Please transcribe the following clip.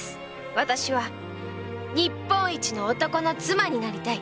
私は日本一の男の妻になりたい。